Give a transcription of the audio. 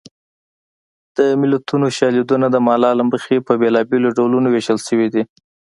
د متلونو شالیدونه د مانا له مخې په بېلابېلو ډولونو ویشل شوي دي